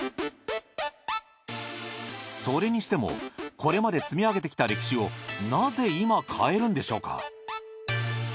それにしてもこれまで積み上げてきた歴史をなぜ今変えるんでしょうか？